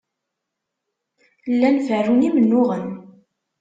Llan ferrun imennuɣen.